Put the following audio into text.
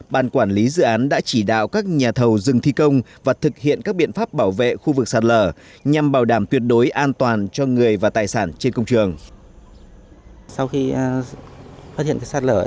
ban quản lý dự án đã chỉ đạo các nhà thầu dừng thi công và thực hiện các biện pháp bảo vệ khu vực sạt lở nhằm bảo đảm tuyệt đối an toàn cho người và tài sản trên công trường